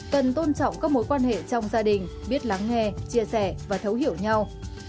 cần tôn trọng các mối quan hệ trong gia đình biết lắng nghe chia sẻ và thấu hiểu nhau